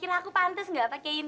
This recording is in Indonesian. kira kira aku pantes gak pakai kain